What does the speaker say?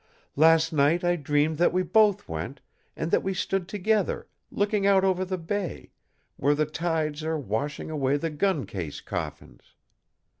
Last night I dreamed that we both went, and that we stood together, looking out over the bay, where the tides are washing away the gun case coffins.